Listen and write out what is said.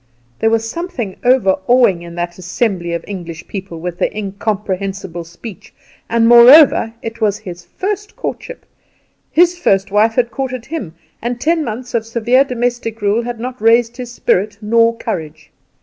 There was something overawing in that assembly of English people, with their incomprehensible speech; and moreover, it was his first courtship; his first wife had courted him, and ten months of severe domestic rule had not raised his spirit nor courage.